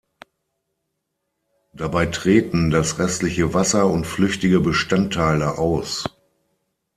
Dabei treten das restliche Wasser und flüchtige Bestandteile aus.